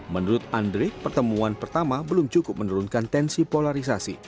menurut andri pertemuan pertama belum cukup menurunkan tensi polarisasi